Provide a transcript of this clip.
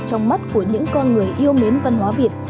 trong mắt của những con người yêu mến văn hóa việt